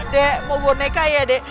dek mau boneka ya dek